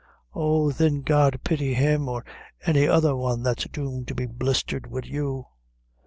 Oh, thin, God pity him or any other one that's doomed to be blistered wid you!"